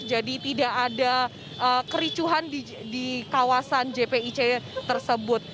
jadi tidak ada kericuhan di kawasan jpic tersebut